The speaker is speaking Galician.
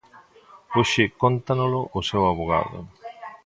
Hoxe cóntanolo o seu avogado.